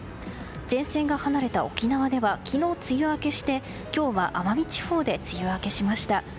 前線が離れた沖縄では昨日梅雨明けして今日は奄美地方で梅雨明けしました。